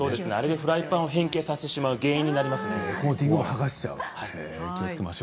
フライパンを変形させる原因になりますね。